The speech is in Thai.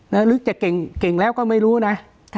หรือจะเก่งแล้วก็ไม่รู้นะ